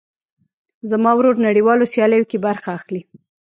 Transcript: زما ورور نړيوالو سیاليو کې برخه اخلي.